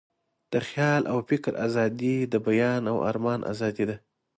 د خیال او فکر آزادي، د بیان او آرمان آزادي ده.